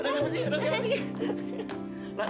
naksih apa sih